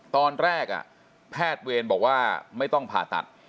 ตอนแรกแพทย์เวรบอกว่าไม่ต้องผ่าตัด